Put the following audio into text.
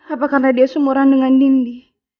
apakah karena dia sumuran dengan nindi